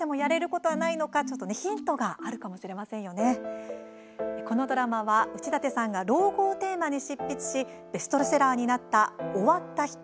このドラマは内館さんが老後をテーマに執筆しベストセラーになった「終わった人」